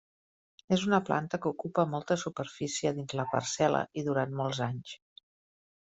És una planta que ocupa molta superfície dins la parcel·la i durant molts anys.